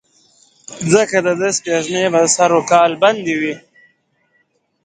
ځکه دده سپېږمې به سر وکال بندې وې.